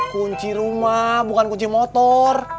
kunci rumah bukan kunci motor